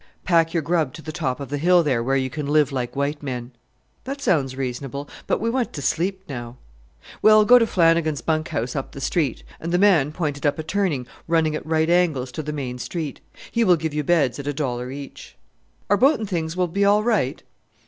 Pack your grub to the top of the hill there, where you can live like white men." "That sounds reasonable, but we want to sleep now." "Well, go to Flanagan's bunk house up the street," and the man pointed up a turning running at right angles to the main street. "He will give you beds at a dollar each." "Our boat and things will be all right?